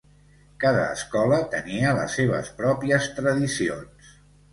Cada escola tenia les seves pròpies tradicions.